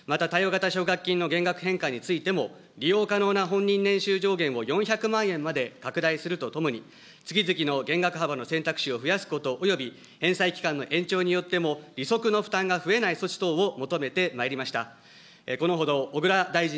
また貸与型奨学金の減額幅についても、利用可能な本人年収上限を４００万円まで拡大するとともに、月々の減額幅の選択肢を増やすことおよび返済期間の延長によっても利息の負担が増えない措置等を求めてまいりました。